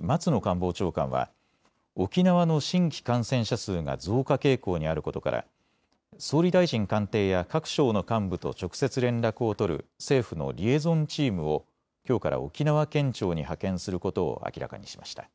官房長官は沖縄の新規感染者数が増加傾向にあることから総理大臣官邸や各省の幹部と直接連絡を取る政府のリエゾンチームをきょうから沖縄県庁に派遣することを明らかにしました。